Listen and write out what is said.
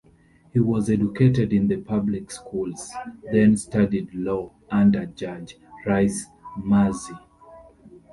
He was educated in the public schools, then studied law under Judge Rice Maxey.